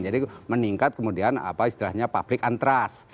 jadi meningkat kemudian apa istilahnya public antras